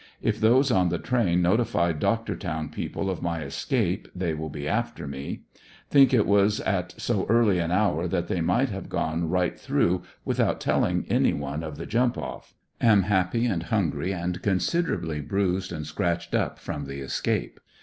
If those on the train noti fied Doctortown people of my escape they will be after me. Think it was at so early an hour that they might have gone right through without telling any one of the jump off Am hnppy and hungry and considerably bruised and scratched up from the escape.